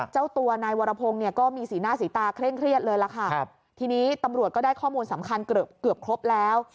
เจ้าตัวนายวรพงศ์เนี่ยก็มีสีหน้าสีตาเคร่งเครียดเลยล่ะค่ะทีนี้ตำรวจก็ได้ข้อมูลสำคัญเกือบเกือบครบแล้ว